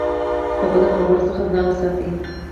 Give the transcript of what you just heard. له بدو ملګرو ځان وساتئ.